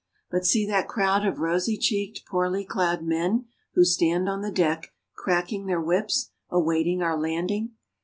But see that crowd of rosy cheeked, poorly clad men who stand on the dock, cracking their whips, awaiting our landing.